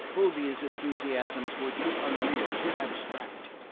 Fulvia's enthusiasms were too unreal, too abstract.